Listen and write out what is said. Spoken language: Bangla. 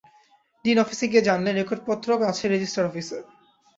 ডিন অফিসে গিয়ে জানলেন, রেকর্ডপত্র আছে রেজিস্টার অফিসে।